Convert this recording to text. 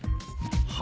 は？